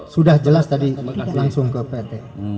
sudah jelas tadi langsung ke pt